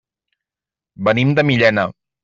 Venim de Millena.